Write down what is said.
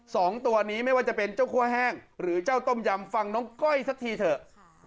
สองตัวนี้ไม่ว่าจะเป็นเจ้าคั่วแห้งหรือเจ้าต้มยำฟังน้องก้อยสักทีเถอะ